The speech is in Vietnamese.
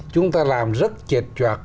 chúng ta làm rất chệt chọc